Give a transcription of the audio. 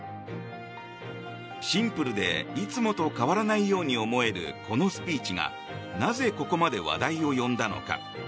シンプルでいつもと変わらないように思えるこのスピーチがなぜここまで話題を呼んだのか。